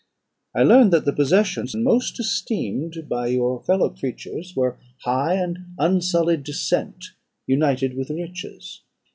I learned that the possessions most esteemed by your fellow creatures were, high and unsullied descent united with riches.